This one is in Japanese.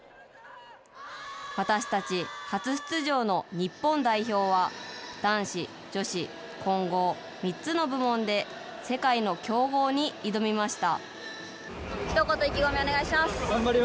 私たち初出場の日本代表は、男子・女子・混合３つの部門で、世界の強豪に挑みました。